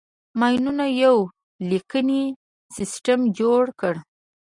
مایانو یو لیکنی سیستم جوړ کړ.